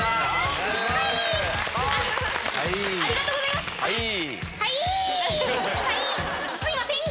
ありがとうございます。